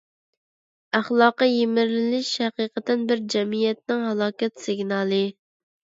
ئەخلاقىي يىمىرىلىش ھەقىقەتەن بىر جەمئىيەتنىڭ ھالاكەت سىگنالى.